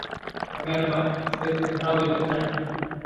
আমি আর ম্যাক্সের চেহারাও দেখতে চাই না।